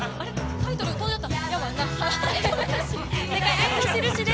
タイトル飛んじゃった。